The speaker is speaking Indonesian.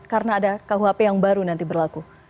karena ada kuhp yang baru nanti berlaku